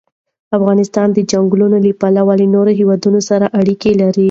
افغانستان د چنګلونه له پلوه له نورو هېوادونو سره اړیکې لري.